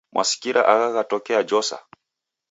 Mwasikira agha ghatokea Josa?